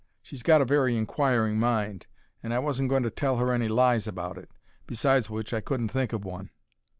She's got a very inquiring mind, and I wasn't going to tell her any lies about it. Besides which I couldn't think of one.